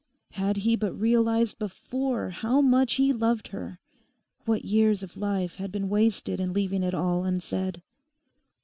Had he but realized before how much he loved her—what years of life had been wasted in leaving it all unsaid!